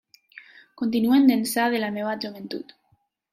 Continuen d'ençà de la meva joventut.